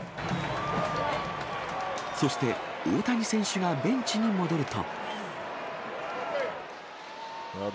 そして大谷選手がベンチに戻ると。